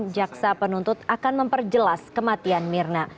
jaksa penuntut akan memperjelas kematian mirna